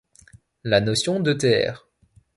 La notion d'e.t.r.